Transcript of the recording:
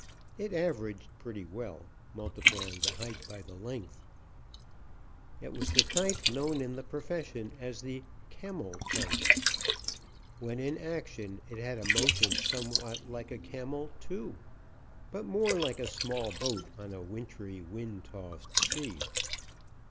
It averaged pretty well, multiplying the height by the length. It was the type known in the profession as the "camel type." When in action it had a motion somewhat like a camel, too, but more like a small boat on a wintry, wind tossed sea.